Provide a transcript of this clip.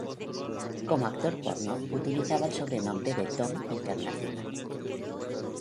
Como actor porno utiliza el sobrenombre de Tom International.